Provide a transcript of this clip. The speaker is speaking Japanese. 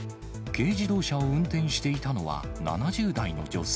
軽自動車を運転していたのは、７０代の女性。